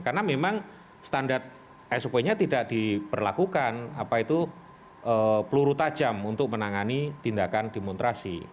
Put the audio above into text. karena memang standar sop nya tidak diperlakukan apa itu peluru tajam untuk menangani tindakan demonstrasi